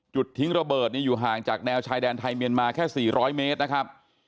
ทิ้งระเบิดอยู่ห่างจากแนวชายแดนไทยเมียนมาแค่๔๐๐เมตรนะครับ